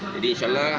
jadi insya allah